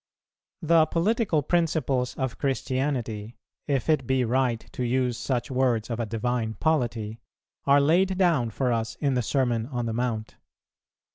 The political principles of Christianity, if it be right to use such words of a divine polity, are laid down for us in the Sermon on the Mount.